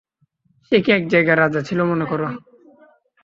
সে কি এক জায়গার রাজা ছিল মনে কর?